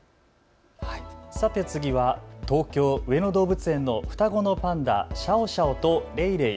さて次は東京上野動物園の双子のパンダ、シャオシャオとレイレイ。